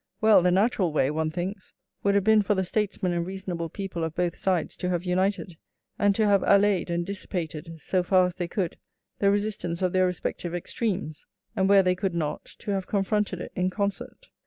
Well, the natural way, one thinks, would have been for the statesmen and reasonable people of both sides to have united, and to have allayed and dissipated, so far as they could, the resistance of their respective extremes, and where they could not, to have confronted it in concert.